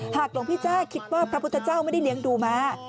หลวงพี่แจ้คิดว่าพระพุทธเจ้าไม่ได้เลี้ยงดูมา